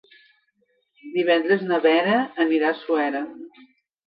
Divendres na Vera anirà a Suera.